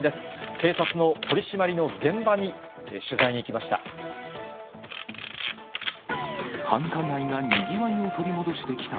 警察の取締りの現場に取材に行きました。